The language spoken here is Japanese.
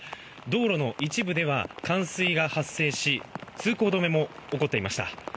道路の一部では冠水が発生し通行止めも起こっていました。